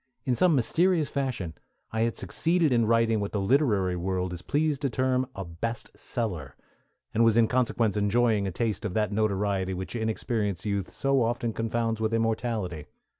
In some mysterious fashion I had succeeded in writing what the literary world is pleased to term a "best seller," and was in consequence enjoying a taste of that notoriety which inexperienced youth so often confounds with immortality.